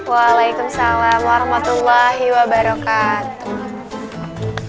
waalaikumsalam warahmatullahi wabarakatuh